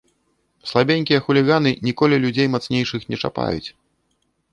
Слабенькія хуліганы ніколі людзей мацнейшых не чапаюць.